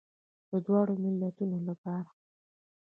د دواړو ملتونو لپاره.